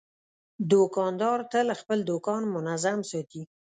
دوکاندار تل خپل دوکان منظم ساتي.